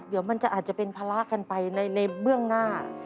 เดี๋ยวมันจะอาจจะเป็นภาระกันไปในเบื้องหน้า